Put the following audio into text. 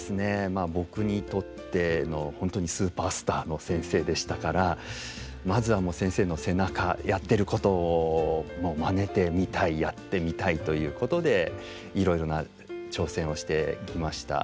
まあ僕にとっての本当にスーパースターの先生でしたからまずは先生の背中やってることをまねてみたいやってみたいということでいろいろな挑戦をしてきました。